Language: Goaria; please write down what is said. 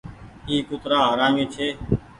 اي ڪُترآ حرامي ڇي